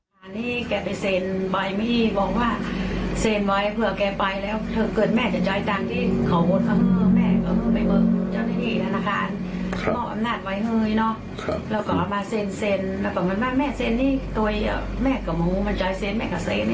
ดิเธอโถมันมาเซ้นแล้วก็บอกมาเมอเขามาเซ้นมาเซ้น